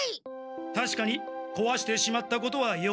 たしかにこわしてしまったことはよくない。